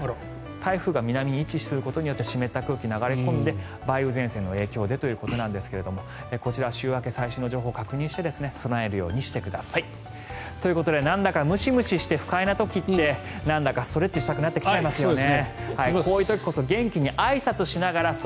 台風が南に位置することによって湿った空気が流れ込んで、梅雨前線の影響でということですがこちら、週明け最新の情報を確認して備えるようにしてください。ということでなんだかムシムシして不快な時ってなんだかストレッチしたくなってきますよね。